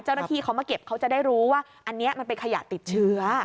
เจ้าหน้าที่เขามาเก็บเขาจะได้รู้ว่าอันนี้มันเป็นขยะติดเชื้อ